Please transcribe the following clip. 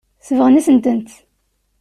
Sebɣent-asen-tent.